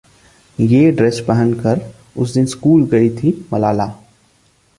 ये ड्रेस पहनकर उस दिन स्कूल गई थी मलाला...